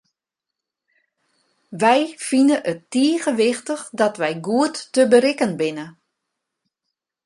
Wy fine it tige wichtich dat wy goed te berikken binne.